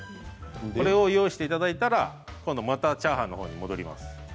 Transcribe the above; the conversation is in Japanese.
これを用意していただいたら今度またチャーハンのほうに戻ります。